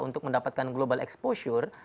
untuk mendapatkan global exposure